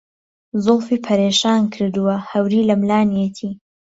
زولفی پهرێشان کردووه ههوری له ملانیهتی